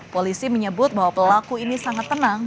polisi menyebut bahwa pelaku ini sangat tenang